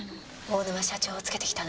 大沼社長をつけてきたの？